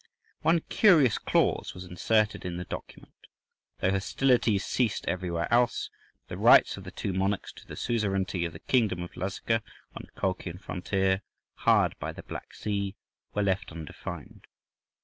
One curious clause was inserted in the document—though hostilities ceased everywhere else, the rights of the two monarchs to the suzerainty of the kingdom of Lazica, on the Colchian frontier, hard by the Black Sea, were left undefined.